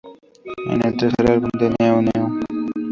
En el tercer álbum de Neu!, "Neu!